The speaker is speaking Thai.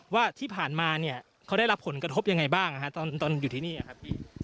ว่าที่ผ่านมาเนี่ยเขาได้รับผลกระทบยังไงบ้างตอนอยู่ที่นี่ครับพี่